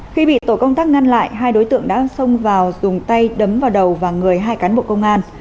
khi bị tổ công tác ngăn lại hai đối tượng đã xông vào dùng tay đấm vào đầu và người hai cán bộ công an